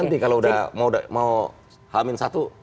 nanti kalau udah mau hamil satu